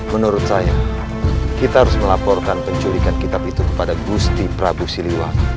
menurut saya kita harus melaporkan penculikan kitab itu kepada nihglis